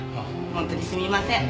本当にすみません。